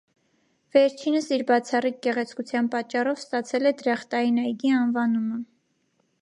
Վերջինս իր բացառիկ գեղեցկության պատճառով ստացել է «դրախտային այգի» անվանումը։